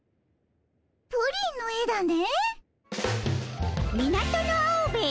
プリンの絵だね。